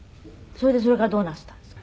それでそれからどうなすったんですか？